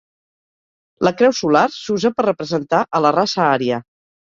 La creu solar s'usa per representar a la Raça ària.